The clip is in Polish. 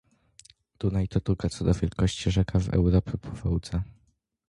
Dunaj to druga co do wielkości rzeka Europy po Wołdze